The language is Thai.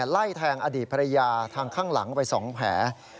ไล่แทงอดีตภรรยาทางข้างหลังไป๒แผล